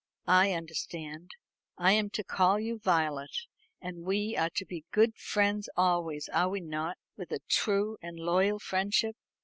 "I understand; I am to call you Violet. And we are to be good friends always, are we not, with a true and loyal friendship?"